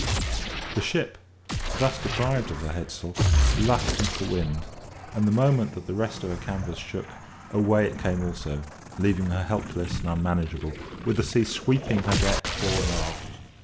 The ship, thus deprived of her head sail, luffed into the wind; and the moment that the rest of her canvas shook, away it came also, leaving her helpless and unmanageable, with the sea sweeping her deck fore and aft.